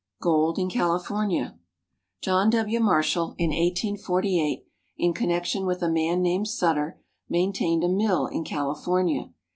=Gold in California.= John W. Marshall, in 1848, in connection with a man named Sutter, maintained a mill in California.